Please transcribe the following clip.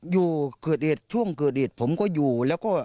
อยู่เกิดเหตุช่วงเกิดเหตุผมก็อยู่แล้วก็